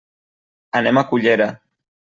Anem a Cullera.